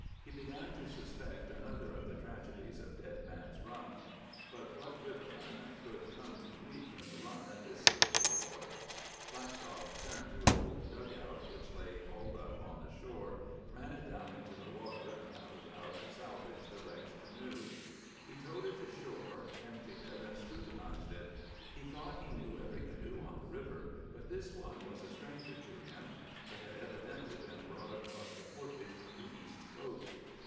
He began to suspect another of the tragedies of Dead Man's Run. But what river man would come to grief in the Run at this stage of the water? Blackstock turned to an old dug out which lay hauled up on the shore, ran it down into the water and paddled out to salvage the wrecked canoe. He towed it to shore, emptied it, and scrutinized it. He thought he knew every canoe on the river, but this one was a stranger to him. It had evidently been brought across the Portage from the east coast.